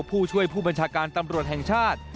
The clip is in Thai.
ผู้ช่วยผู้บัญชาการตำรวจแห่งชาติ